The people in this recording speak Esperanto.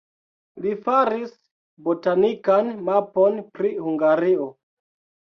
Li faris botanikan mapon pri Hungario.